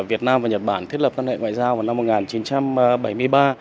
việt nam và nhật bản thiết lập quan hệ ngoại giao vào năm một nghìn chín trăm bảy mươi ba